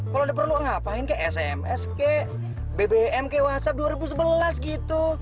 kalau ada perlu ngapain kayak sms kayak bbm kayak whatsapp dua ribu sebelas gitu